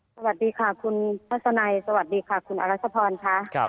สวัสดีค่ะคุณทัศนัยสวัสดีค่ะคุณอรัชพรค่ะ